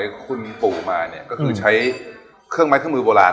ที่คุณปลูมาคือใช้เครื่องไม้เครื่องมือโบราณ